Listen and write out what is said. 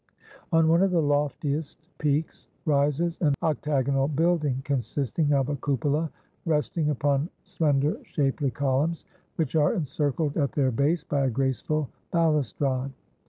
On one of the loftiest peaks rises an octagonal building, consisting of a cupola resting upon slender shapely columns, which are encircled at their base by a graceful balustrade.